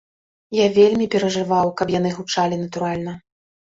Я вельмі перажываў, каб яны гучалі натуральна.